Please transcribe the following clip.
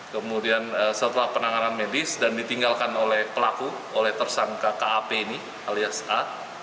kemudian setelah penanganan medis dan ditinggalkan oleh pelaku oleh tersangka kap ini alias a